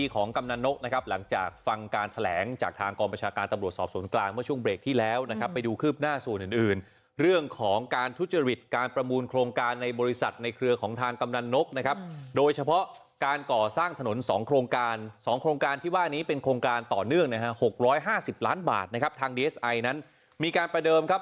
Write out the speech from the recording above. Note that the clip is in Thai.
ของกำหนังนกนะครับหลังจากฟังการแถลงจากทางกรประชาการตำรวจสอบส่วนกลางเมื่อช่วงเบรคที่แล้วนะครับไปดูคืบหน้าส่วนอื่นอื่นเรื่องของการทุจริตการประมูลโครงการในบริษัทในเครือของทางกำหนังนกนะครับโดยเฉพาะการก่อสร้างถนนสองโครงการสองโครงการที่ว่านี้เป็นโครงการต่อเนื่องนะฮะหกร้อยห้าสิบล้านบ